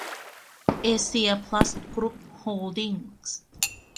เอเซีย พลัส กรุ๊ป โฮลดิ้งส์